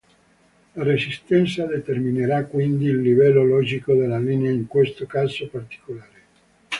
La resistenza determinerà quindi il livello logico della linea in questo caso particolare.